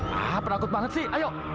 hah penakut banget sih ayo